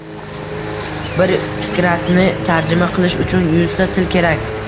Bir fikratni tarjima qilish uchun yuzta til kerak